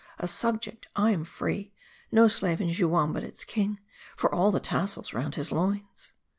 A subject, I am free. No slave in Juam but its king ; for all the tassels round his loins."